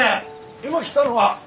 今来たのが？